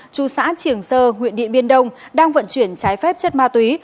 chú xã triềng sơ huyện điện biên đông đang vận chuyển trái phép chất ma túy